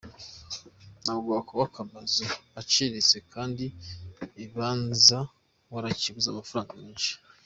Ntabwo wakubaka amazu aciriritse kandi ikibanza warakiguze amafaranga menshi.